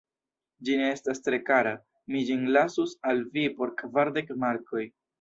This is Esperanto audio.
Ĝi ne estas tre kara, mi ĝin lasus al vi por kvardek markoj.